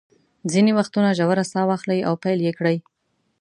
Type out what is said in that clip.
ځینې وختونه ژوره ساه واخلئ او پیل یې کړئ.